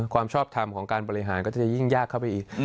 ความชอบทำของการบริหารก็จะยิ่งยากเข้าไปอีก